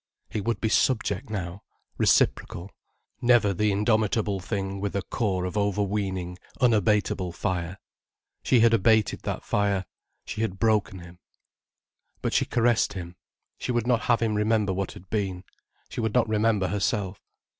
He would be subject now, reciprocal, never the indomitable thing with a core of overweening, unabateable fire. She had abated that fire, she had broken him. But she caressed him. She would not have him remember what had been. She would not remember herself.